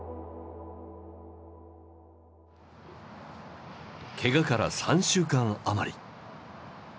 けがから３週間余り。